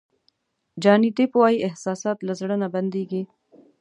جاني دیپ وایي احساسات له زړه نه بندېږي.